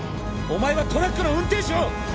お前はトラックの運転手を！